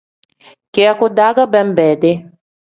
Kiyaku-daa ge benbeedi.